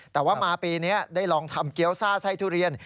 แต่ว่ามาปีนี้ได้ลองทำเกี้ยวซ่าไส้ทุเรียน